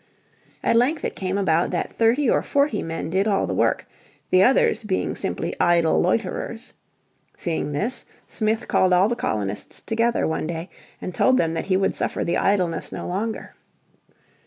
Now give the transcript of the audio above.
At length it came about that thirty or forty men did all the work, the others being simply idle loiterers. Seeing this, Smith called all the colonists together one day and told them that he would suffer the idleness no longer.